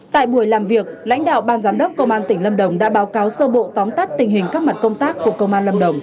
tại buổi làm việc lãnh đạo ban giám đốc công an tỉnh lâm đồng đã báo cáo sơ bộ tóm tắt tình hình các mặt công tác của công an lâm đồng